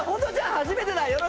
初めてだ！